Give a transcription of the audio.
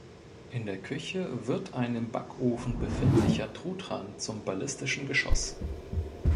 In der Küche wird ein im Backofen befindlicher Truthahn zum ballistischen Geschoss.